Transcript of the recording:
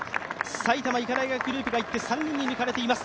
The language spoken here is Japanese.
埼玉医科大学グループがいって、３人に抜かれています。